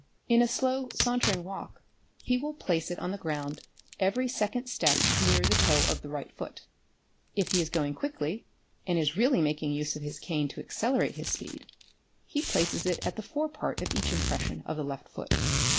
In a slow sauntering walk he will place it on the _ ground every second step near the toe of the right foot. If he is going quickly and is really making use of his cane to accelerate his speed he places it at the fore part of each impression of the left foot.